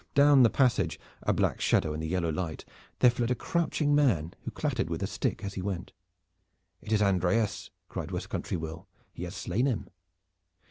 Down the passage, a black shadow in the yellow light, there fled a crouching man, who clattered with a stick as he went. "It is Andreas," cried West country Will. "He has slain him."